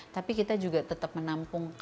tapi kita juga tetap menampung